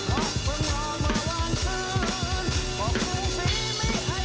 ขอบคุณยอมมาวางซ้อนขอบคุณให้ไม่ไอ